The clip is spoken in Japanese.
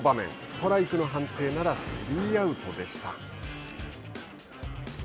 ストライクの判定ならスリーアウトでした。